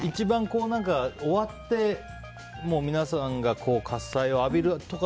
終わって皆さんが喝采を浴びるとか